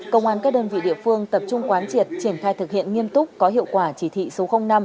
công an các đơn vị địa phương tập trung quán triệt triển khai thực hiện nghiêm túc có hiệu quả chỉ thị số năm